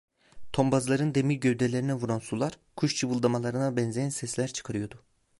Tombazların demir gövdelerine vuran sular kuş cıvıldamalarına benzeyen sesler çıkarıyordu.